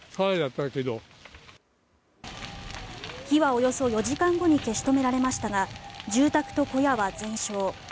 火はおよそ４時間後に消し止められましたが住宅と小屋は全焼。